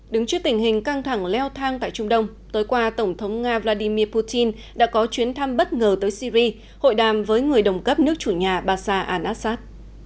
đứng trước tình hình căng thẳng leo thang tại trung đông tối qua tổng thống nga vladimir putin đã có chuyến thăm bất ngờ tới syri hội đàm với người đồng cấp nước chủ nhà bashar al assad